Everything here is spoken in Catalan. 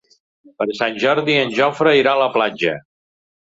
Per Sant Jordi en Jofre irà a la platja.